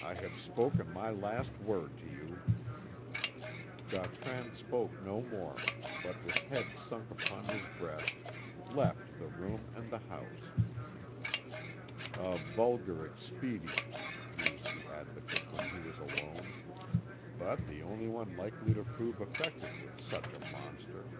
I have spoken my last word to you." Gautran spoke no more, but with head sunk upon his breast, left the room and the house. "A vulgar expedient," mused the Advocate, when he was alone, "but the only one likely to prove effective with such a monster.